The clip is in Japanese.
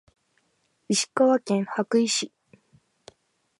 石川県羽咋市